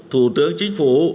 thủ tướng chính phủ